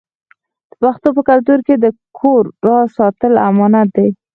د پښتنو په کلتور کې د کور راز ساتل امانت دی.